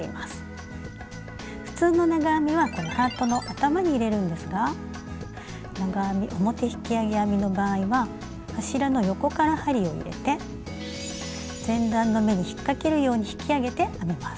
普通の長編みはこのハートの頭に入れるんですが長編み表引き上げ編みの場合は柱の横から針を入れて前段の目に引っかけるように引き上げて編みます。